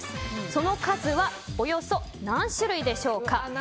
その数はおよそ何種類でしょうか？